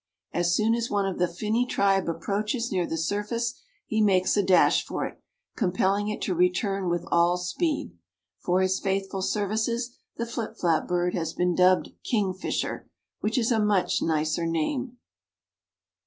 As soon as one of the finny tribe approaches near the surface he makes a dash for it, compelling it to return with all speed. For his faithful services the Flipflap bird has been dubbed Kingfisher, which is a much nicer name.